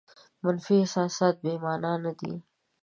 منفي احساسات بې مانا نه دي.